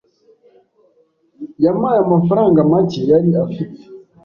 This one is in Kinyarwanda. Yampaye amafaranga make yari afite.